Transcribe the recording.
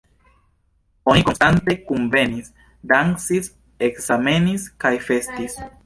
Oni konstante kunvenis, dancis, ekzamenis kaj festis.